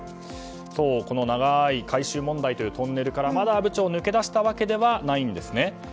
この長い回収問題というトンネルから、まだ阿武町抜け出したわけではないんですね。